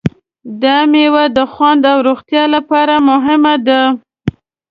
دا مېوه د خوند او روغتیا لپاره مهمه ده.